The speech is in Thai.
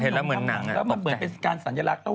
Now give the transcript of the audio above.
แล้วมันเป็นการสัญลักษณ์